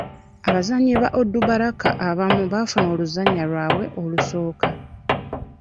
Abazannyi ba Onduparaka abamu baafuna oluzannya lwabwe olusooka.